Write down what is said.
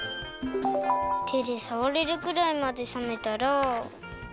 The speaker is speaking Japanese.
てでさわれるくらいまでさめたら。